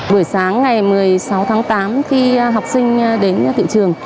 buổi sáng ngày một mươi sáu tháng tám khi học sinh đến thị trường